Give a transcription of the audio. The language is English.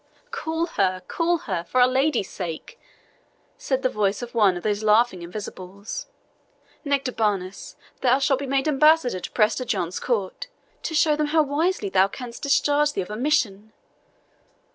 "Call her call her, for Our Lady's sake," said the voice of one of these laughing invisibles. "Nectabanus, thou shalt be made ambassador to Prester John's court, to show them how wisely thou canst discharge thee of a mission."